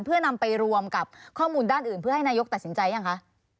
เพื่อนำไปรวมกับข้อมูลด้านอื่นเพื่อให้นายกตัดสินใจยังคะ